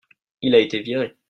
il a été viré.